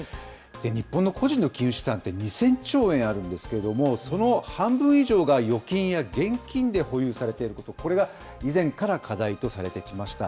日本の個人の金融資産って２０００兆円あるんですけれども、その半分以上が預金や現金で保有されていること、これが以前から課題とされてきました。